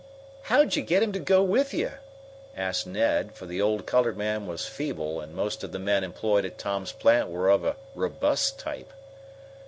"How'd you get him to go with you?" asked Ned, for the old colored man was feeble, and most of the men employed at Tom's plant were of a robust type.